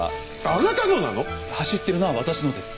あなたのなの⁉走ってるのは私のです。